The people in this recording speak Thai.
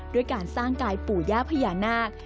ด้วยการสร้างกายปู่ย่าพญานาค